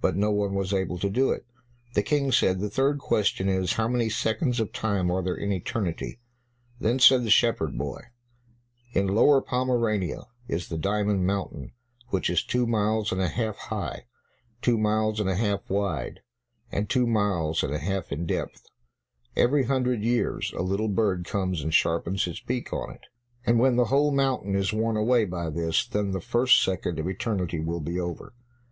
But no one was able to do it. The King said, "The third question is, how many seconds of time are there in eternity." Then said the shepherd boy, "In Lower Pomerania is the Diamond Mountain, which is two miles and a half high, two miles and a half wide, and two miles and a half in depth; every hundred years a little bird comes and sharpens its beak on it, and when the whole mountain is worn away by this, then the first second of eternity will be over."